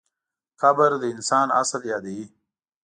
قبر د انسان اصل یادوي.